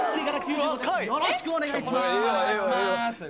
よろしくお願いします。